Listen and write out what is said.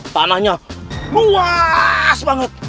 tanahnya luas banget